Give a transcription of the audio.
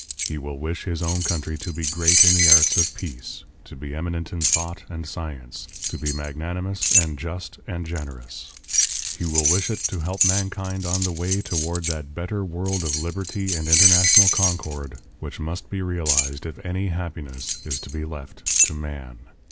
He will wish his own country to be great in the arts of peace, to be eminent in thought and science, to be magnanimous and just and generous. He will wish it to help mankind on the way toward that better world of liberty and international concord which must be realized if any happiness is to be left to man.